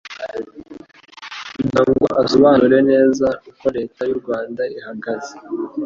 kugira ngo asobanure neza uko leta y'u Rwanda ihagaze